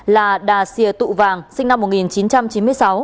là đà xìa tụ vàng sinh năm một nghìn chín trăm chín mươi sáu